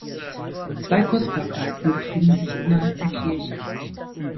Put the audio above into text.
Zwei Kostbarkeiten befinden sich innerhalb der Kirche.